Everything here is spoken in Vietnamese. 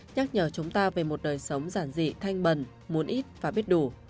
nhắc nhở chúng ta về một đời sống giản dị thanh bần muốn ít và biết đủ